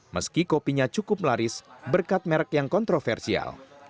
meski kopinya cukup laris berkat merek yang kontroversial